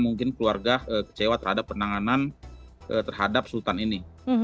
mungkin keluarga kecewa terhadap penanganan terhadap sultan ini